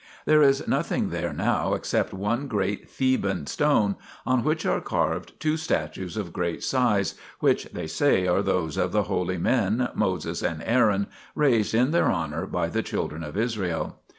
There is nothing there now except one great Theban stone, on which are carved two statues of great size, which they say are those of the holy men, Moses and Aaron, raised in their honour by the children of Israel.